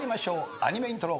アニメイントロ。